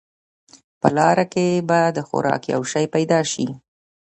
په لاره کې به د خوراک یو شی پیدا شي.